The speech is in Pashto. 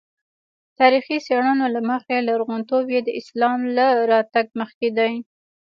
تاریخي څېړنو له مخې لرغونتوب یې د اسلام له راتګ مخکې دی.